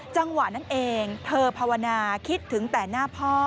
จังหวะนั้นเองเธอภาวนาคิดถึงแต่หน้าพ่อ